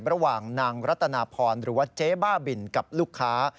ระหว่างนางรัตนาพรหรือว่าเจ๊บ้าบินกับลูกค้า